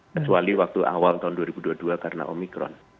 kecuali waktu awal tahun dua ribu dua puluh dua karena omikron